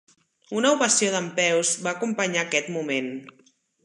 Una ovació dempeus va acompanyar aquest moment.